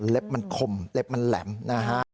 มันคมเล็บมันแหลมนะฮะ